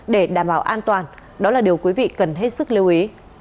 để đảm bảo an toàn đó là điều quý vị cần hết sức lưu ý